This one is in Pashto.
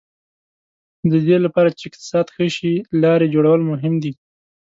د دې لپاره چې اقتصاد ښه شي لارې جوړول مهم دي.